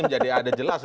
menjadi ada jelas